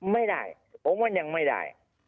ไม่ได้โอ้มันยังไม่ได้